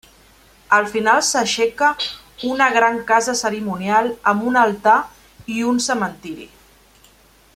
Al final s'aixeca una gran casa cerimonial amb un altar i un cementiri.